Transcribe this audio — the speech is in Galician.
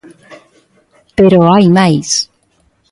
Pero hai máis!